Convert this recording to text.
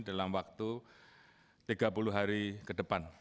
dalam waktu tiga puluh hari ke depan